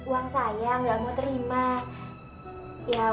ya uang saya juga hanya saya pakai untuk bayar ojek kok mas